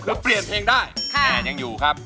คือเปลี่ยนเพลงได้คะแนนยังอยู่ครับ